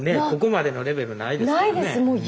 ここまでのレベルないですからね。